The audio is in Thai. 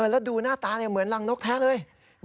แล้วดูหน้าตาเหมือนรังนกแท้เลย